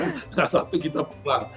nah saat itu kita pulang